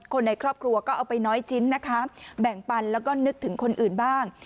ในครอบครัวก็เอาไปน้อยชิ้นนะคะแบ่งปันแล้วก็นึกถึงคนอื่นบ้าง